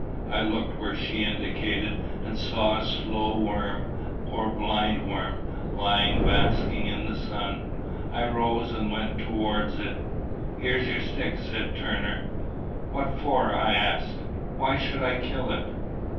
I looked where she indicated, and saw a slow worm, or blind worm, lying basking in the sun. I rose and went towards it. "Here's your stick," said Turner. "What for?" I asked. "Why should I kill it?